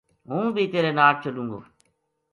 ہوں بی تیرے ناڑ چلوں گو‘‘